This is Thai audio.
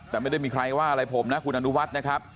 แต่ไม่ได้มีใครว่าอะไรผมนะคุณอนุวัฒน์นะครับ